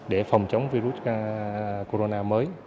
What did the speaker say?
để phòng chống virus corona mới